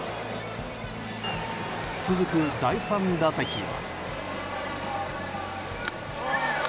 続く第３打席は。